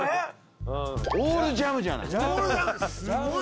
オールジャムじゃない。